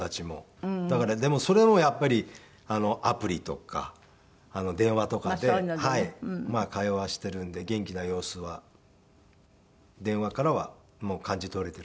でもそれもやっぱりアプリとか電話とかで会話してるんで元気な様子は電話からは感じ取れてるんですけど。